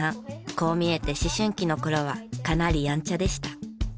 こう見えて思春期の頃はかなりヤンチャでした。